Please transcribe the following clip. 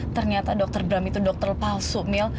ternyata dokter bram itu dokter palsu miel